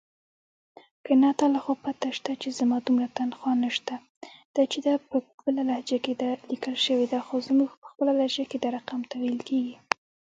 که نه تا له خو پته شتې چې زما دومره تنخواه نيشتې.